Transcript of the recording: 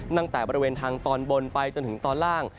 ตั้งแต่บริเวณทางตอนบนไปจนถึงตอนล่าง